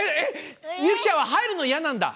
ゆきちゃんははいるのイヤなんだ？